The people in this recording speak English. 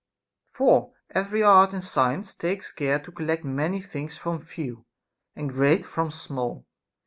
For every art and science takes care to collect many things from few, and great from small.